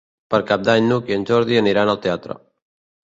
Per Cap d'Any n'Hug i en Jordi aniran al teatre.